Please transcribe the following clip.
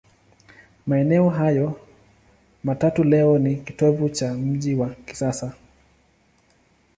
Maeneo hayo matatu leo ni kitovu cha mji wa kisasa.